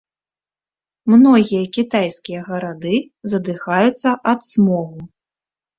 Многія кітайскія гарады задыхаюцца ад смогу.